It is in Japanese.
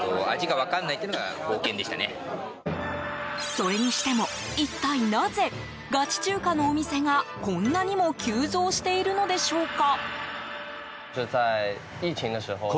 それにしても、一体なぜガチ中華のお店がこんなにも急増しているのでしょうか。